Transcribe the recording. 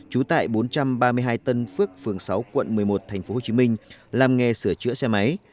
trú tại bốn trăm ba mươi hai tân phước phường sáu quận một mươi một tp hcm làm nghề sửa chữa xe máy